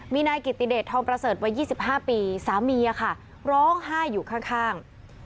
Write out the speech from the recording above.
มีนายกิติเดชธรรมประเสริฐวัยยี่สิบห้าปีสามีอะค่ะร้องไห้อยู่ข้างข้าง